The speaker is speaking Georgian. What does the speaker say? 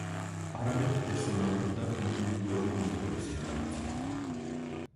არამედ, პერსონალურ და ინდივიდუალურ მოტივებზეა დაფუძნებული.